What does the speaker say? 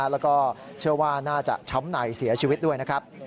แล้วก็เชื่อว่าน่าจะช้ำในเสียชีวิตด้วยนะครับ